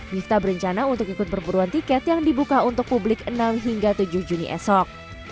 miftah berencana untuk ikut perburuan tiket yang dibuka untuk publik enam hingga tujuh juni esok